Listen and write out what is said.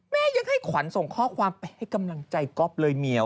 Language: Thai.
ยังให้ขวัญส่งข้อความไปให้กำลังใจก๊อฟเลยเมียว